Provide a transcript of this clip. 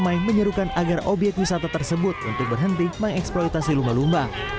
ramai menyerukan agar obyek wisata tersebut untuk berhenti mengeksploitasi lumba lumba